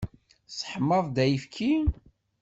Tesseḥmaḍ-d ayefki?